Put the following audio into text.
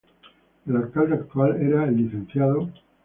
El alcalde actual era el Lic.